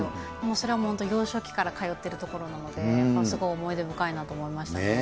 それはもう本当幼少期から通っているところなので、すごい思い出深いなと思いましたよね。